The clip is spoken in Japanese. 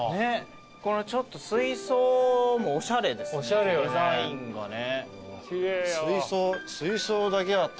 ちょっと水槽もおしゃれですねデザインがね。